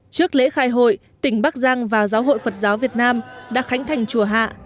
trước lễ khai hội tỉnh bắc giang và giáo hội phật giáo việt nam đã khánh thành chùa hạ